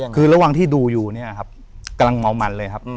คือระหว่างที่ดูอยู่เนี่ยครับกำลังเมามันเลยครับ